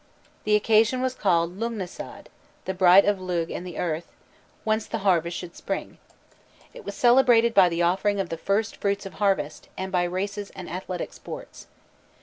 The occasion was called "Lugnasad," "the bridal of Lugh" and the earth, whence the harvest should spring. It was celebrated by the offering of the first fruits of harvest, and by races and athletic sports.